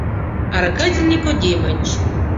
— Аркадий Никодимыч.